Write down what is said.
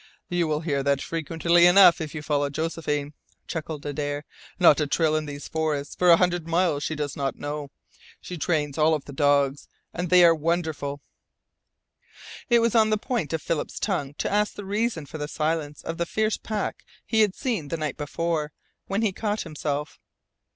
"You will hear that frequently enough if you follow Josephine," chuckled Adare. "Not a trail in these forests for a hundred miles she does not know. She trains all of the dogs, and they are wonderful." It was on the point of Philip's tongue to ask a reason for the silence of the fierce pack he had seen the night before, when he caught himself.